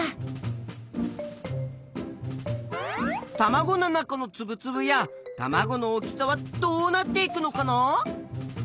たまごの中のつぶつぶやたまごの大きさはどうなっていくのかな。